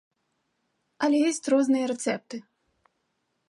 Але ёсць розныя рэцэпты.